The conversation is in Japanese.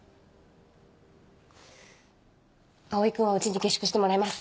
蒼君はうちに下宿してもらいます。